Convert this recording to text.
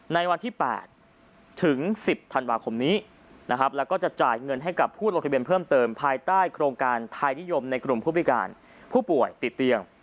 ในวันที่๘ถึง๑๐ธันวาคมนี้นะครับแล้วก็จะจ่ายเงินให้กับผู้ลงทะเบียนเพิ่มเติมภายใต้โครงการไทยนิยมในกลุ่มผู้พิการผู้ป่วยติดเตียง